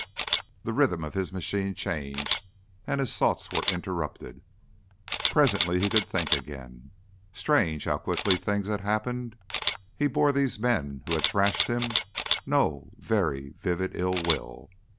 The rhythm of his machine changed, and his thoughts were interrupted. Presently he could think again. Strange how quickly things had happened! He bore these men who had thrashed him no very vivid ill will.